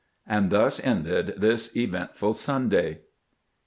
And thus ended this eventful Sunday.